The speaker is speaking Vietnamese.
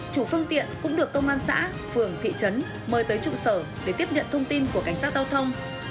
chủ phương tiện cũng được công an xã phường thị trấn mời tới trụ sở để tiếp nhận thông tin của cảnh sát giao thông